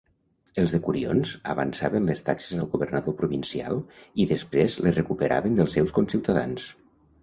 Els decurions avançaven les taxes al governador provincial i després les recuperaven dels seus conciutadans.